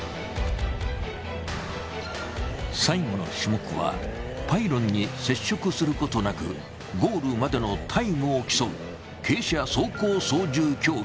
最後の種目はパイロンに接触することなくゴールまでのタイムを競う傾斜走行操縦競技。